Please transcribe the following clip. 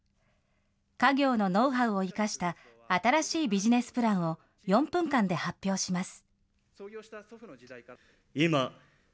家業のノウハウを生かした新しいビジネスプランを４分間で発表します。